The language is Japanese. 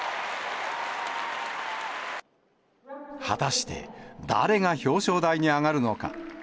果たして、誰が表彰台に上がるのか。